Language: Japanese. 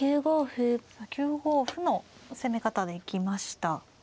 ９五歩の攻め方でいきました。